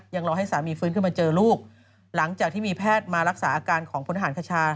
รอให้สามีฟื้นขึ้นมาเจอลูกหลังจากที่มีแพทย์มารักษาอาการของพลทหารคชา